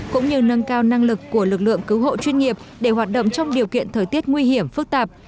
cũng như nâng cao năng lực của lực lượng cứu hộ chuyên nghiệp để hoạt động trong điều kiện thời tiết nguy hiểm phức tạp